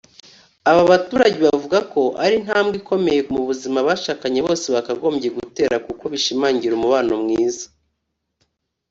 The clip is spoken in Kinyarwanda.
Aba baturage bavuga ko ari intambwe ikomeye mu buzima abashakanye bose bakagombye gutera kuko bishimangira umubano mwiza